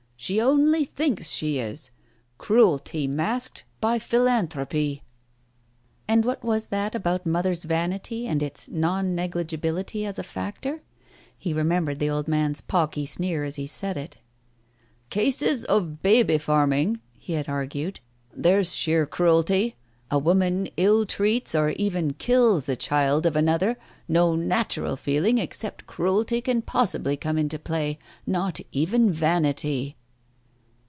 She only thinks she is. Cruelty masked by philanthropy." Digitized by Google THE TIGER SKIN 275 And what was that about Mother's vanity, and its non negligibility as a factor? He remembered the old man's pawky sneer as he said it. "Cases of baby farming" he had argued. "There's sheer cruelty. If a woman ill treats or even kills the child of another, no natural feeling except cruelty can possibly come into play, not even vanity.